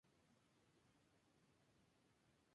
La idea de Galicia en nuestros escritores".